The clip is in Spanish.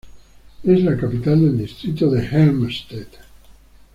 Es la capital del Distrito de Helmstedt.